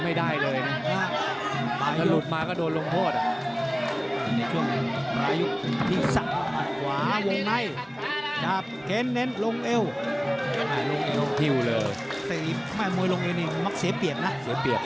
ไม่ได้นะครับไม่มีทิ้งเองสหายเลย